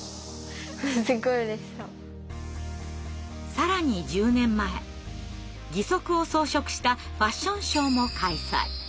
更に１０年前義足を装飾したファッションショーも開催。